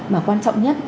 mà quan trọng nhất